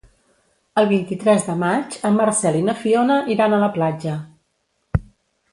El vint-i-tres de maig en Marcel i na Fiona iran a la platja.